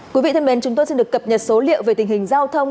quý vị thân mến chúng tôi xin được cập nhật số liệu về tình hình giao thông